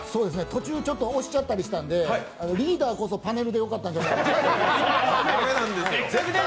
途中おしちゃったりしたんで、リーダーこそパネルでよかったんじゃないかと。